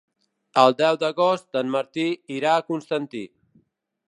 El deu d'agost en Martí irà a Constantí.